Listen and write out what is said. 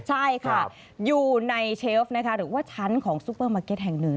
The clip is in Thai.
ใช่ค่ะอยู่ในเชฟนะคะหรือว่าชั้นของซูเปอร์มาร์เก็ตแห่งหนึ่ง